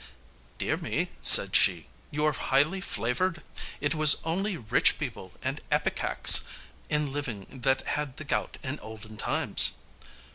"Dear me," said she; "you are highly flavored! It was only rich people and epicacs in living that had the gout in olden times."